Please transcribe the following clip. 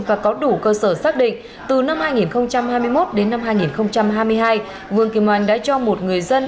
và có đủ cơ sở xác định từ năm hai nghìn hai mươi một đến năm hai nghìn hai mươi hai vương kim oanh đã cho một người dân